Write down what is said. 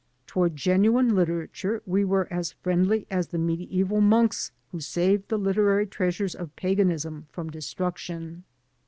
Toward genuine literatiu'e we were as friendly as the medieval monks who saved the literary treasures of paganism from destruction.